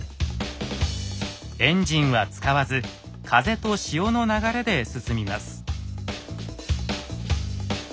エンジンは使わず風と潮の流れで進みます。